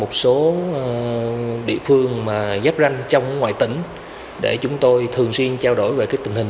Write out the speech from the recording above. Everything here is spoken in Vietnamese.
một số địa phương mà giáp ranh trong ngoài tỉnh để chúng tôi thường xuyên trao đổi về cái tình hình